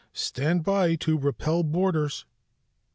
"Stand by to repel boarders!"